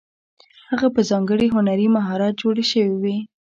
هغه په ځانګړي هنري مهارت جوړې شوې وې.